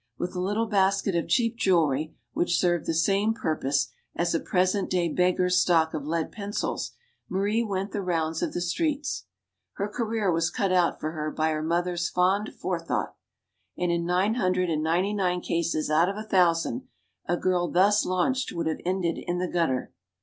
With a little basket of cheap jewelry which served the same purpose as a present day beggar's stock of lead pencils Marie went the rounds of the streets. Her career was cut out for her by her mother's fond forethought. And in nine hundred and ninety nine cases out of a thousand, a girl thus launched would have ended in the gutter.